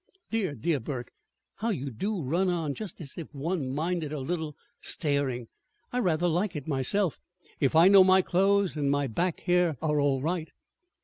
"Dear, dear, Burke, how you do run on! Just as if one minded a little staring! I rather like it, myself, if I know my clothes and my back hair are all right."